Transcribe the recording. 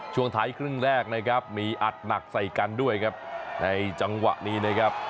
ช่วงท้ายครึ่งแรกนะครับมีอัดหนักใส่กันด้วยครับในจังหวะนี้นะครับ